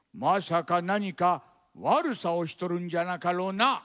まさかなにかわるさをしとるんじゃなかろうな？